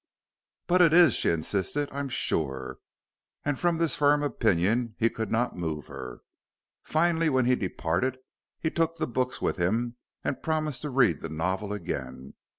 "But it is," she insisted, "I'm sure." And from this firm opinion he could not move her. Finally, when he departed, he took the books with him, and promised to read the novel again.